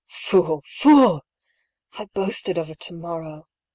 Fool, fool I I boasted of a to morrow.